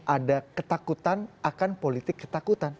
ada ketakutan akan politik ketakutan